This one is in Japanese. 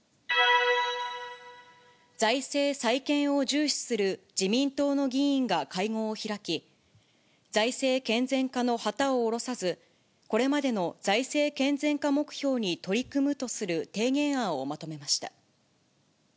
財政再建を重視する自民党の議員が会合を開き、財政健全化の旗を降ろさず、これまでの財政健全化目標に取り組むとする提言案をまとめました。